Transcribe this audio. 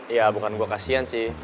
ya bukan gue kasian sih